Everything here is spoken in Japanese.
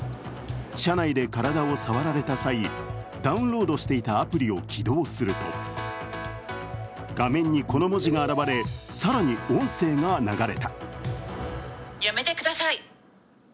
車内で体を触られた際、ダウンロードしていたアプリを起動すると画面にこの文字が現れ、更に音声が流れた。